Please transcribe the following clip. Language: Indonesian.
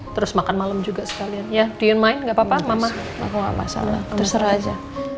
terus makan malam juga sekalian ya do you mind nggak apa apa mama nggak ada masalah terserah aja